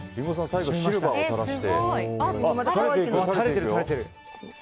最後シルバーを垂らして。